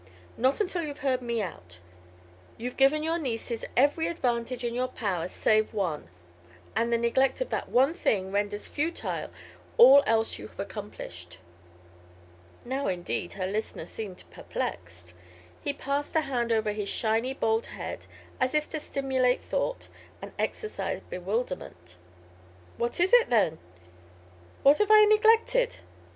"Not until you've heard me out. You've given your nieces every advantage in your power save one, and the neglect of that one thing renders futile all else you have accomplished." Now, indeed, her listener seemed perplexed. He passed a hand over his shiny bald head as if to stimulate thought and exorcise bewilderment. "What is it, then? What have I neglected?"